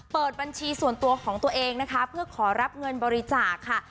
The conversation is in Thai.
เปิดบัญชีส่วนตัวของตัวเองนะคะเพื่อขอรับเงินบริจาคค่ะ